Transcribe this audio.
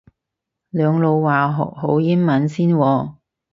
兩老話學好英文先喎